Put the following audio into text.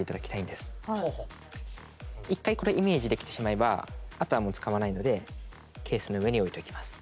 一回これイメージできてしまえばあとはもう使わないのでケースの上に置いておきます。